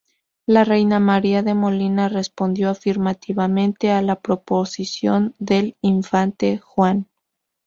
La reina María de Molina respondió afirmativamente a la proposición del infante Juan.